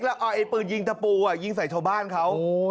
แล้วเอาไอ้ปืนยิงตะปูยิงใส่ชาวบ้านเขา